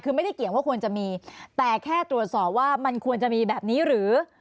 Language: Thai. คือไม่ได้เกี่ยงว่าควรจะมีแต่แค่ตรวจสอบว่ามันควรจะมีแบบนี้หรือ